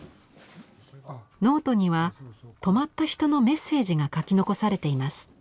ノートには泊まった人のメッセージが書き残されています。